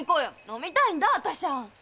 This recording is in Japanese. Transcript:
飲みたいんだ私は。